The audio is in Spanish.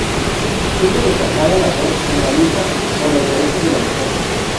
Tuvo destacada labor en la lucha por los derechos de la mujer.